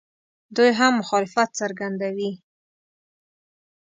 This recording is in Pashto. دوی هم مخالفت څرګندوي.